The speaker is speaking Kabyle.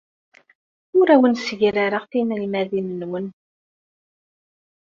Ur awen-ssegrareɣ tinelmadin-nwen.